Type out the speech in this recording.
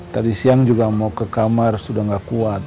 tadi siang juga mau ke kamar sudah tidak kuat